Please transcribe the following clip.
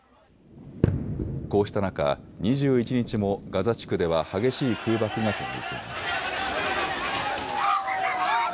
こうした中、２１日もガザ地区では激しい空爆が続いています。